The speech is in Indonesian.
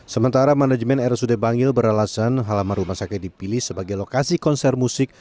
sementara manajemen rsud bangil beralasan halaman rumah sakit dipilih sebagai lokasi konser musik